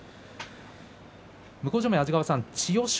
向正面の安治川さん、千代翔